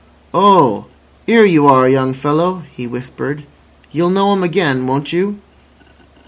"Oh! 'Ere you are, young fellow," he whispered. "You'll know him again—won't you?"